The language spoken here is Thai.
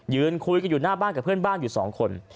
ยืนคุยกันอยู่หน้าบ้านกับเพื่อนบ้านอยู่สองคน